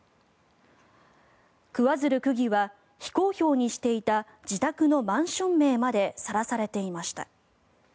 桑水流区議は非公表にしていた自宅のマンション名までさらされていました。